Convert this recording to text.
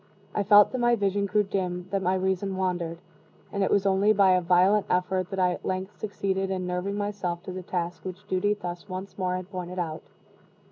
I felt that my vision grew dim, that my reason wandered; and it was only by a violent effort that I at length succeeded in nerving myself to the task which duty thus once more had pointed out.